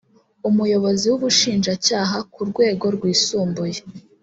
Umuyobozi w’ubushinjacyaha ku rwego rwisumbuye